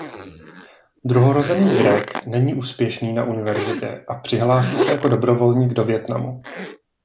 Druhorozený Greg není úspěšný na univerzitě a přihlásí se jako dobrovolník do Vietnamu.